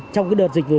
trong cái đợt dịch bệnh